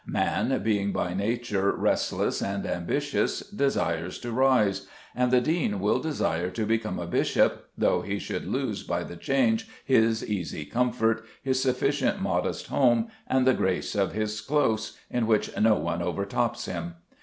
Man, being by nature restless and ambitious, desires to rise; and the dean will desire to become a bishop, though he would lose by the change his easy comfort, his sufficient modest home, and the grace of his close in which no one overtops him.